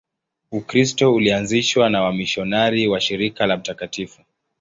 Ukristo ulianzishwa na wamisionari wa Shirika la Mt.